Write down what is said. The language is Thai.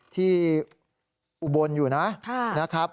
ที่อุบลอยู่นะ